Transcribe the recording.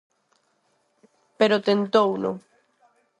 Pero tentouno.